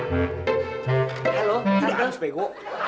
udah anus bego